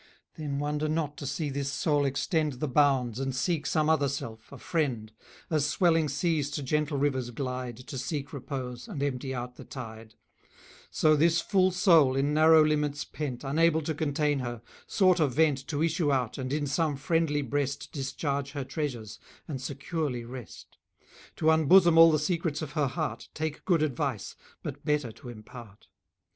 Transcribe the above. Then wonder not to see this soul extend The bounds, and seek some other self, a friend; As swelling seas to gentle rivers glide, To seek repose, and empty out the tide; So this full soul, in narrow limits pent, Unable to contain her, sought a vent To issue out, and in some friendly breast Discharge her treasures, and securely rest; To unbosom all the secrets of her heart, Take good advice, but better to impart.